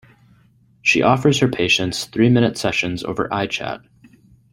She offers her patients three-minute sessions over iChat.